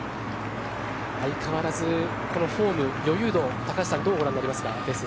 相変わらずこのフォーム余裕度、どうご覧になりますか？